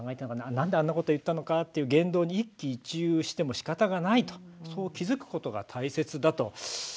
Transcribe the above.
なんであんなこと言ったのかって言動に一喜一憂しても仕方ないそこに気付くことが大切だと。